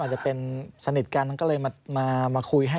อาจจะเป็นสนิทกันก็เลยมาคุยให้